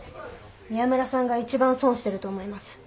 宮村さんが一番損してると思います。